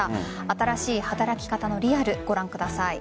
新しい働き方のリアルご覧ください。